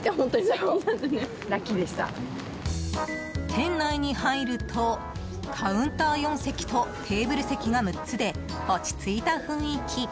店内に入るとカウンター４席とテーブル席が６つで落ち着いた雰囲気。